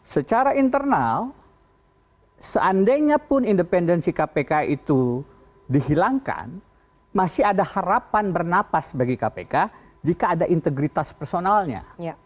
secara internal seandainya pun independensi kpk itu dihilangkan masih ada harapan bernapas bagi kpk jika ada integritas personalnya